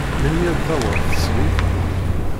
Melmi ara d-taweḍ teslit?